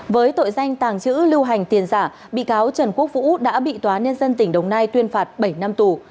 với tội danh tàng trữ lưu hành tiền giả bị cáo trần quốc vũ đã bị tòa nhân dân tỉnh đồng nai tuyên phạt bảy năm tù